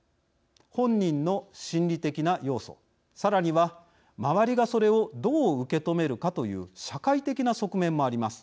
本人の心理的な要素さらには周りがそれをどう受け止めるかという社会的な側面もあります。